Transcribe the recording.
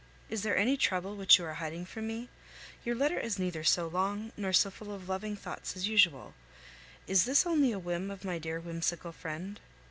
Is there any trouble which you are hiding from me? Your letter is neither so long nor so full of loving thoughts as usual. Is this only a whim of my dear whimsical friend?